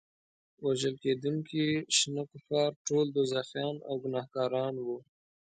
وژل کېدونکي شنه کفار ټول دوزخیان او ګناهګاران وو.